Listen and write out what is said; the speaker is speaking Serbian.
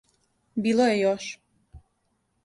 Било је још.